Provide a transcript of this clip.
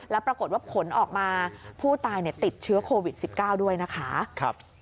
แล้วปรากฏว่าผลออกมาผู้ตายติดเชื้อโควิด๑๙ด้วยนะคะ